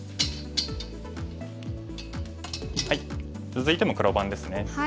続いても黒番ですね。